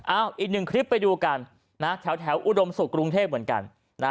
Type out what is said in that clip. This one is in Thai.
อีกหนึ่งคลิปไปดูกันนะแถวอุดมศุกร์กรุงเทพเหมือนกัน